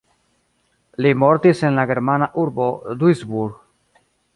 Li mortis en la germana urbo Duisburg.